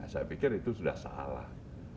saya pikir itu sudah salah